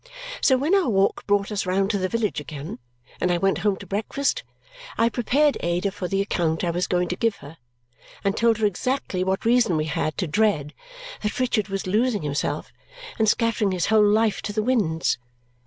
So when our walk brought us round to the village again, and I went home to breakfast, I prepared Ada for the account I was going to give her and told her exactly what reason we had to dread that Richard was losing himself and scattering his whole life to the winds.